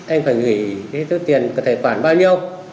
anh phải gửi số tiền của tài khoản bao nhiêu